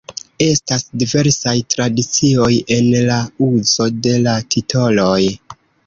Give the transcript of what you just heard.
Estas diversaj tradicioj en la uzo de la titoloj.